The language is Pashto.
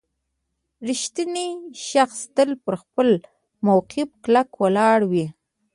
• رښتینی شخص تل پر خپل موقف کلک ولاړ وي.